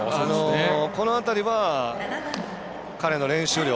この辺りは彼の練習量。